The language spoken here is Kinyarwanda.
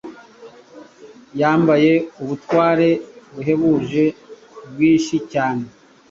Yambaye ubutware buhebuje bwinci cyane